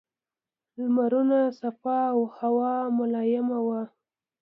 لمرونه صاف او هوا ملایمه وه.